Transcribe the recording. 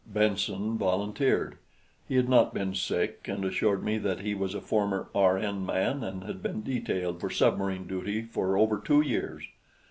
Benson volunteered. He had not been sick, and assured me that he was a former R.N. man and had been detailed for submarine duty for over two years.